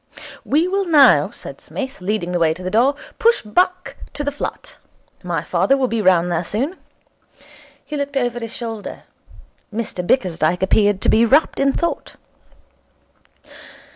'We will now,' said Psmith, leading the way to the door, 'push back to the flat. My father will be round there soon.' He looked over his shoulder. Mr Bickersdyke appeared to be wrapped in thought.